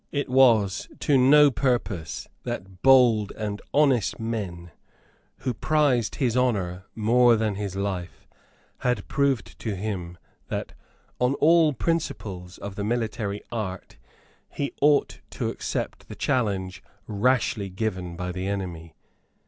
It was to no purpose that bold and honest men, who prized his honour more than his life, had proved to him that, on all principles of the military art, he ought to accept the challenge rashly given by the enemy.